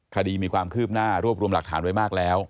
คดีมีความคืบหน้ารวบรวมหลักฐานไว้มากแล้ว